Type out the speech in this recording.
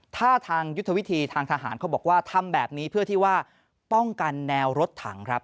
ถ้าทางยุทธวิธีทางทหารเขาบอกว่าทำแบบนี้เพื่อที่ว่าป้องกันแนวรถถังครับ